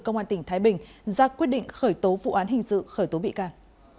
công an tỉnh thái bình ra quyết định khởi tố vụ án hình sự khởi tố bị can